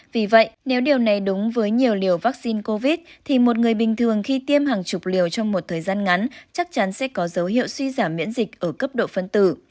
vì vậy nếu điều này đúng với nhiều liều vaccine covid thì một người bình thường khi tiêm hàng chục liều trong một thời gian ngắn chắc chắn sẽ có dấu hiệu suy giảm miễn dịch ở cấp độ phân tử